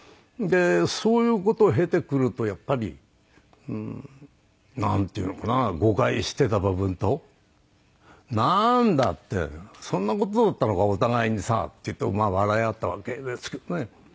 そういう事を経てくるとやっぱりうーんなんていうのかな誤解してた部分と「なーんだ！そんな事だったのかお互いにさ」って言ってまあ笑い合ったわけですけどね。